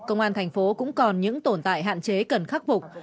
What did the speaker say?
công an thành phố cũng còn những tồn tại hạn chế cần khắc phục